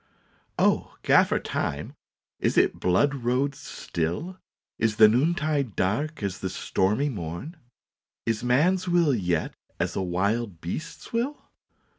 " O Gaffer Time, is it blood road still? Is the noontide dark as the stormy morn? Is man s will yet as a wild beast s will?